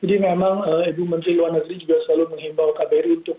jadi memang ibu menteri luar negeri juga selalu mengimbau kbri untuk menangani secara baik baik pak